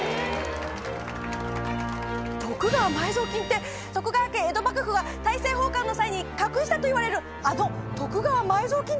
徳川埋蔵金って徳川家江戸幕府が大政奉還の際に隠したといわれるあの徳川埋蔵金ですか？